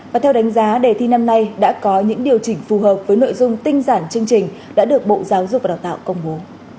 và theo đánh giá đề thi năm nay đã có những điều chỉnh phù hợp với nội dung tinh giản chương trình đã được bộ giáo dục và đào tạo công bố